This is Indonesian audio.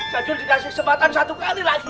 jajul dikasih kesempatan satu kali lagi ya